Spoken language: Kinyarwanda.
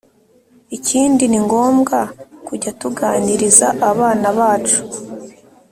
Ikindi ni ngombwa kujya tuganiriza abana bacu